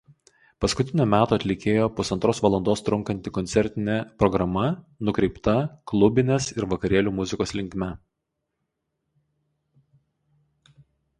Paskutinio meto atlikėjo pusantros valandos trunkanti koncertinė programa nukreipta klubinės ir vakarėlių muzikos linkme.